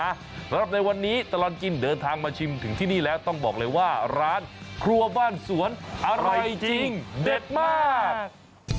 สำหรับในวันนี้ตลอดกินเดินทางมาชิมถึงที่นี่แล้วต้องบอกเลยว่าร้านครัวบ้านสวนอร่อยจริงเด็ดมาก